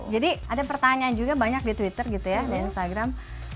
jadi ada pertanyaan juga banyak di twitter gitu ya dan instagram